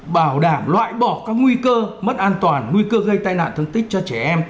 bảo đảm loại bỏ các nguy cơ mất an toàn nguy cơ gây tai nạn thương tích cho trẻ em